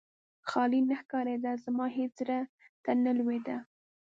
خالي نه ښکارېده، زما هېڅ زړه ته نه لوېده.